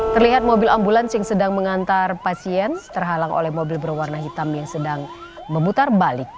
terlihat mobil ambulans yang sedang mengantar pasien terhalang oleh mobil berwarna hitam yang sedang memutar balik